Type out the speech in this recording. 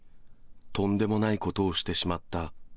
とんでもないことをしてしまった。